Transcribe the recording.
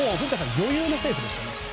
余裕のセーフでしたね。